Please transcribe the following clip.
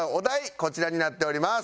こちらになっております。